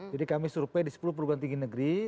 jadi kami survey di sepuluh program tinggi negeri